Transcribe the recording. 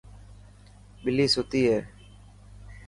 ٻلي ستي هي.